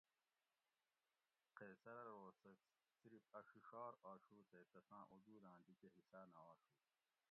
قیصر ارو سہۤ صرف اۤ ڛِڛار آشو تے تساں اوجوداۤں دی کہ حصاۤ نہ آشو